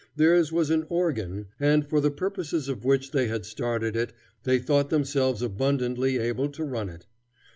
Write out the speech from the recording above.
Theirs was an "organ," and for the purposes for which they had started it they thought themselves abundantly able to run it.